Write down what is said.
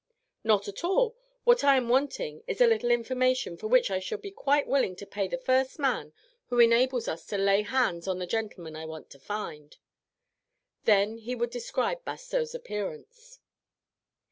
"Not at all; what I am wanting is a little information for which I shall be quite willing to pay the first man who enables us to lay hands on the gentleman I want to find." Then he would describe Bastow's appearance.